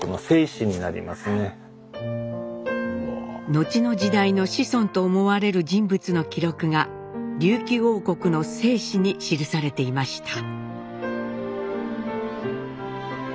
後の時代の子孫と思われる人物の記録が琉球王国の正史に記されていました。